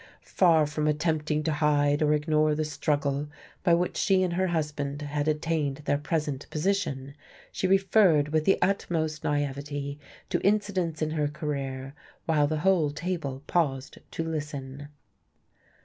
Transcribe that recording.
Far from attempting to hide or ignore the struggle by which she and her husband had attained their present position, she referred with the utmost naivete to incidents in her career, while the whole table paused to listen.